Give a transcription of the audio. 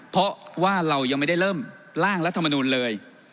เพราะว่าเรายังไม่ได้เริ่มร่างรัฐมนูลเลย